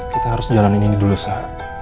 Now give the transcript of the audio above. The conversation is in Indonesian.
kita harus jalanin ini dulu sah